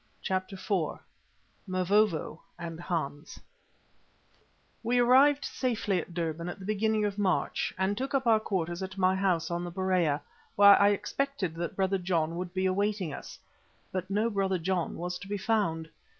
CHAPTER IV MAVOVO AND HANS We arrived safely at Durban at the beginning of March and took up our quarters at my house on the Berea, where I expected that Brother John would be awaiting us. But no Brother John was to be found.